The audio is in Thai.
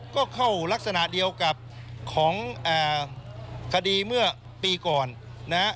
ก็เข้ารักษณะเดียวกับของคดีเมื่อปีก่อนนะฮะ